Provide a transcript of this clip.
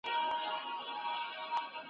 جهاني فال مي کتلی هغه ورځ به لیري نه وي `